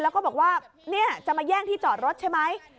แล้วก็บอกว่าเนี่ยจะมาแย่งที่จอดรถใช่ไหม